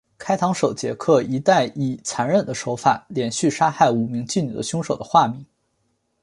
开膛手杰克一带以残忍手法连续杀害五名妓女的凶手的化名。